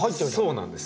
そうなんです。